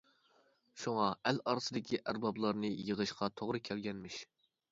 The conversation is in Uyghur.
شۇڭا ئەل ئارىسىدىكى ئەربابلارنى يىغىشقا توغرا كەلگەنمىش.